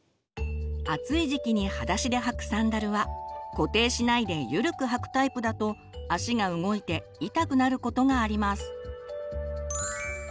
暑い時期にはだしで履くサンダルは固定しないでゆるく履くタイプだと足が動いて痛くなることがあります。